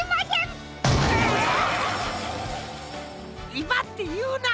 いばっていうな！